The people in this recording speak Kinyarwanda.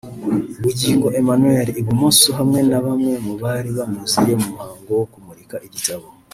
Bugingo Emmanuel(ibumoso) hamwe na bamwe mu bari bamuziye mu muhango wo kumurika igitabo